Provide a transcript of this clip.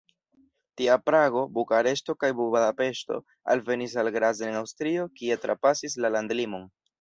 Tra Prago, Bukareŝto kaj Budapeŝto alvenis al Graz en Aŭstrio, kie trapasis la landlimon.